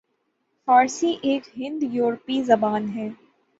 فارسی ایک ہند یورپی زبان ہے